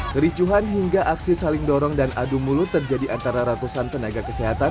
kericuhan hingga aksi saling dorong dan adu mulut terjadi antara ratusan tenaga kesehatan